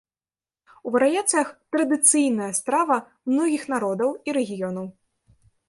У варыяцыях традыцыйныя страва многіх народаў і рэгіёнаў.